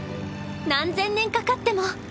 何千年かかっても。